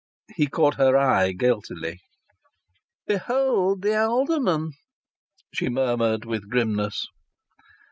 He caught her eye guiltily. "Behold the Alderman!" she murmured with grimness.